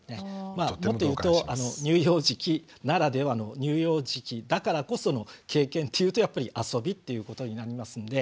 まあもっと言うと乳幼児期ならではの乳幼児期だからこその経験っていうとやっぱり遊びっていうことになりますので。